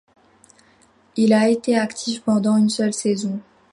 Il a été actif pendant une seule saison.